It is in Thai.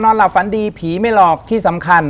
หลับฝันดีผีไม่หลอกที่สำคัญ